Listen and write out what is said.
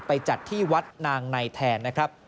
ไปจัดที่วัดนางในแทน